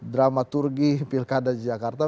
dramaturgi pilkada di jakarta